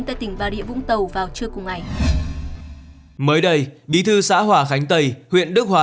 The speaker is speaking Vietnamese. tại tỉnh bà rịa vũng tàu vào trưa cùng ngày mới đây bí thư xã hòa khánh tây huyện đức hòa